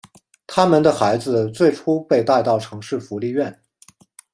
他们的孩子最初被带到城市福利院。